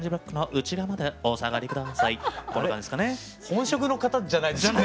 本職の方じゃないですよね。